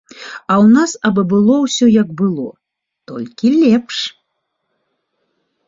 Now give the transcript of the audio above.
А ў нас абы было ўсё як было, толькі лепш.